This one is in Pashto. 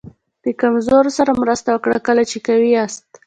د کمزورو سره مرسته وکړه کله چې قوي یاست.